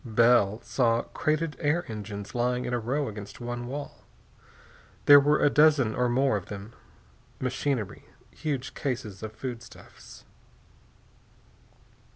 Bell saw crated air engines lying in a row against one wall. There were a dozen or more of them. Machinery, huge cases of foodstuffs....